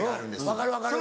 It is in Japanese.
分かる分かる。